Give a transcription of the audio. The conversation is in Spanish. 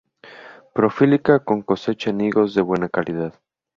Prolífica con cosecha en higos de buena calidad.